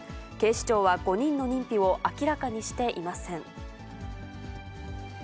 警視庁は５人の認否を明らかにしていません。